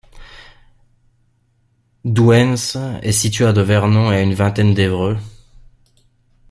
Douains est située à de Vernon et à une vingtaine d'Évreux.